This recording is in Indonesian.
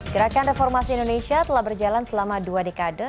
gerakan reformasi indonesia telah berjalan selama dua dekade